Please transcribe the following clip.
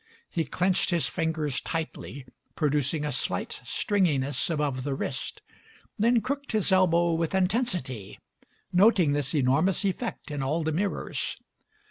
He clenched his fingers tightly, producing a slight stringiness above the wrist, then crooked his elbow with intensity, noting this enor mous effect in all the mirrors.